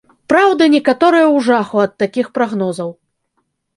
Праўда, некаторыя ў жаху ад такіх прагнозаў.